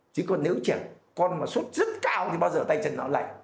chứ còn nếu chàng con mà suốt rất cao thì bao giờ tay chân nó lạnh